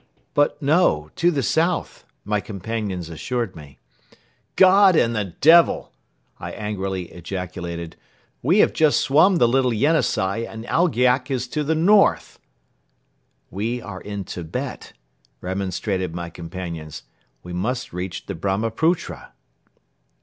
"But no, to the south," my companions assured me. "God and the Devil!" I angrily ejaculated, "we have just swum the Little Yenisei and Algyak is to the north!" "We are in Tibet," remonstrated my companions. "We must reach the Brahmaputra."